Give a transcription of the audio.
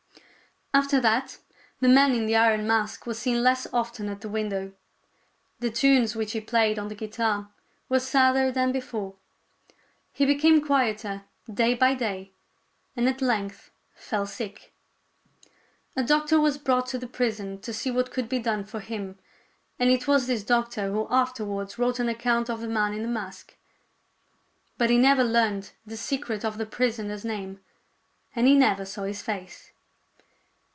After that, the man in the iron mask was seen less often at the window. The tunes which he played on the guitar were sadder than before. He became quieter day by day, and at length fell sick. A doctor was brought to the prison to see what could be done for him, and it was this doctor who afterwards wrote an account of the man in the mask. But he never learned the secret of the pris oner's name, and he never saw his face.